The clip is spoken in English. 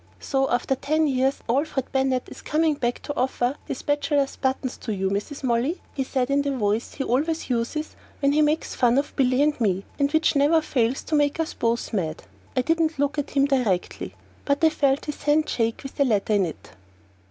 "So after ten years Alfred Bennett is coming back to offer his bachelor's buttons to you, Mrs. Molly?" he said in the voice he always uses when he makes fun of Billy and me, and which never fails to make us both mad. I didn't look at him directly, but I felt his hand shake with the letter in it.